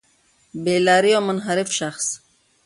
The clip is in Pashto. بې لاري او منحرف شخص